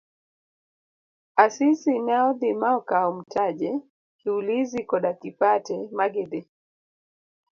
Asisi ne odhi ma okawo Mtaje. Kiulizi koda Kipate magidhi.